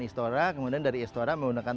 istora kemudian dari istora menggunakan